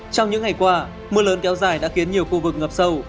trong những ngày qua mưa lớn kéo dài đã khiến nhiều khu vực ngập sâu